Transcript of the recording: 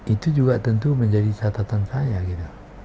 itu juga tentu menjadi catatan saya gitu